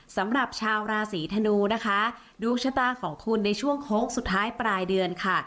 สำหรับชาวราศีธนูนะคะดวงชะตาของคุณในช่วงโค้งสุดท้ายปลายเดือนค่ะ